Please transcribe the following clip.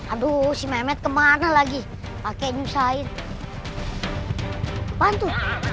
aduh si mehmet kemana lagi pakai nyusahin bantu